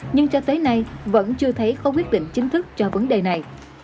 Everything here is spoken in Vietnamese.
nhưng cho tới nay vẫn chưa thấy có quyết định chính thức cho vấn đề này